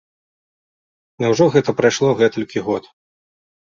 Няўжо гэта прайшло гэтулькі год?!